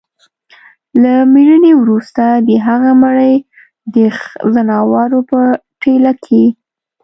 له مړيني وروسته د هغه مړى د ځناورو په ټېله کي